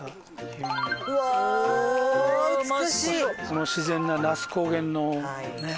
この自然な那須高原のね